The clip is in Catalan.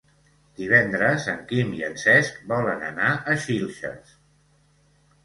Divendres en Quim i en Cesc volen anar a Xilxes.